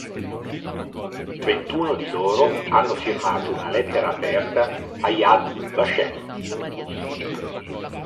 Trentuno di loro hanno firmato una lettera aperta a Yad Vashem.